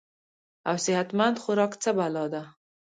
او صحت مند خوراک څۀ بلا ده -